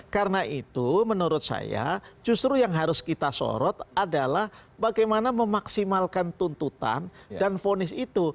karena itu menurut saya justru yang harus kita sorot adalah bagaimana memaksimalkan tuntutan dan fonis itu